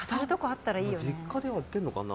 実家ではやってるのかな？